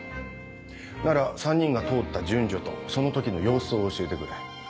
なら３人が通った順序とその時の様子を教えてくれ。